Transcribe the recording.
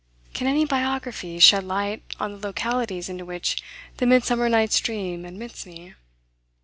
Can any biography shed light on the localities into which the Midsummer Night's Dream admits me?